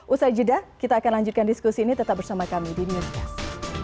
usai jeda kita akan lanjutkan diskusi ini tetap bersama kami di newscast